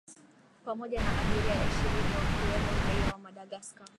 pamoja na abiria ishirini wakiwemo raia wa madagascar